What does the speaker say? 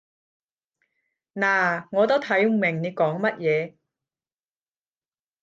嗱，我都睇唔明你講乜嘢